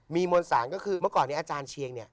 มีมวลสารก็คือเมื่อก่อนนี้อาจารย์เชียงเนี่ย